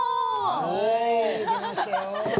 はい出ましたよ。